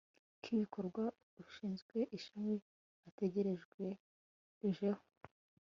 k ibikorwa ushinzwe ishami ategerejwejeho